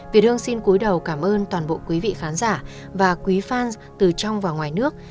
việt hương xin cuối đầu cảm ơn toàn bộ quý vị khán giả và quý fans từ trong và ngoài nước